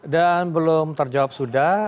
dan belum terjawab sudah